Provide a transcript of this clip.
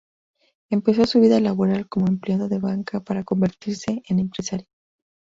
Empezó su vida laboral como empleado de banca para convertirse en empresario.